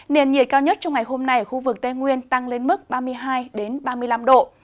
nền nhiệt cao nhất trong ngày hôm nay ở khu vực tây nguyên tăng lên mức ba mươi hai ba mươi năm độ